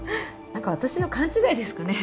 私の勘違いですかね？